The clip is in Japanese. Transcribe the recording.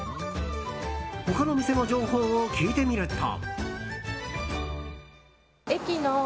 他の店の情報を聞いてみると。